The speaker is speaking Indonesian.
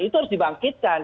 itu harus dibangkitkan